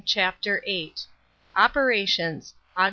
CHAPTER VIII OPERATIONS : AUG.